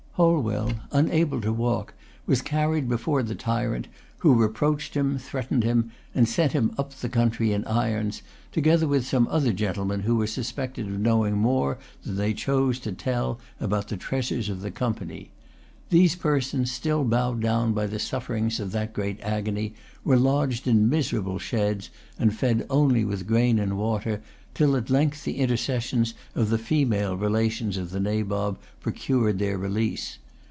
Holwell, unable to walk, was carried before the tyrant, who reproached him, threatened him, and sent him up the country in irons, together with some other gentlemen who were suspected of knowing more than they chose to tell about the treasures of the Company. These persons, still bowed down by the sufferings of that great agony, were lodged in miserable sheds, and fed only with grain and water, till at length the intercessions of the female relations of the Nabob procured their release.